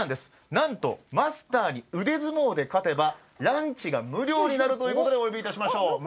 なんとマスターに腕相撲で勝てばランチが無料になるということでおよびいたしましょう。